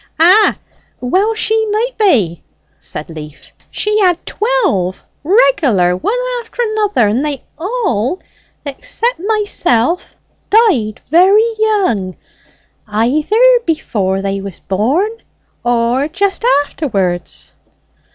"Ah, well she mid be," said Leaf. "She had twelve regular one after another, and they all, except myself, died very young; either before they was born or just afterwards."